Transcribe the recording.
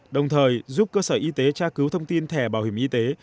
đồng thời giúp cơ sở y tế tra cứu thông tin thẻ bảo hiểm y tế